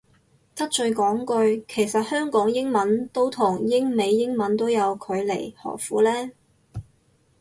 得罪講句，其實香港英文都同英美英文都有距離何苦呢